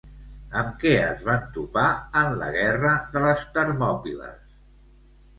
Amb què es van topar en la guerra de les Termòpiles?